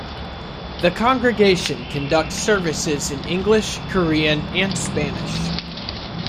The congregation conducts services in English, Korean, and Spanish.